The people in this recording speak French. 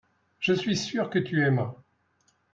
je suis sûr que tu aimas.